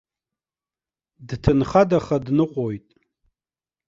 Дҭынхадаха дныҟәоит.